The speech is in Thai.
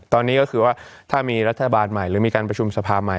ตอนนี้ก็คือว่าถ้ามีรัฐบาลใหม่หรือมีการประชุมสภาใหม่